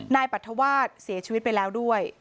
นายปรัฐวาสเสียชีวิตไปแล้วด้วย